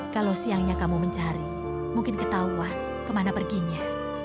kalau siangnya kamu mencari mungkin ketahuan ke mana perginya